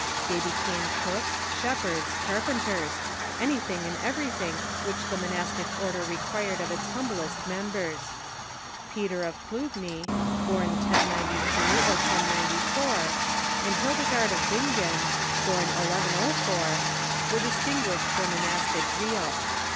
They became cooks, shepherds, carpenters — anything and every thing which the monastic order required of its humblest mem bers. Peter of Clugny, born 1092 or 1094, and Hildegard of Bingen, born 1104, were distinguished for monastic zeal.